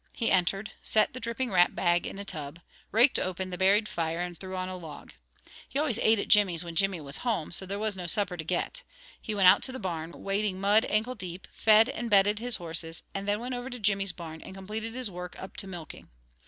He entered, set the dripping rat bag in a tub, raked open the buried fire and threw on a log. He always ate at Jimmy's when Jimmy was at home, so there was no supper to get. He went out to the barn, wading mud ankle deep, fed and bedded his horses, and then went over to Jimmy's barn, and completed his work up to milking.